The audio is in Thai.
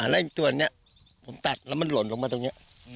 แล้วตัวนี้ผมตัดแล้วมันหล่นลงมาตรงนี้